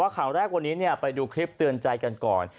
ข่าวแรกวันนี้ไปดูคลิปเตือนใจกันก่อน